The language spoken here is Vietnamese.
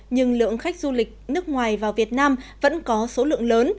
nhưng lượng khách du lịch nước ngoài vào việt nam vẫn có số lượng lớn